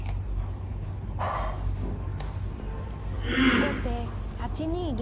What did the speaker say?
後手８二銀。